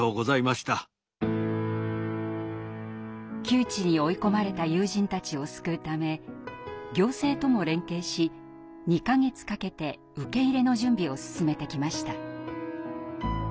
窮地に追い込まれた友人たちを救うため行政とも連携し２か月かけて受け入れの準備を進めてきました。